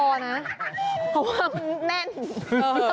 เพราะว่ามันแน่น